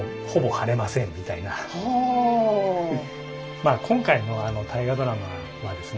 まあ今回の大河ドラマはですね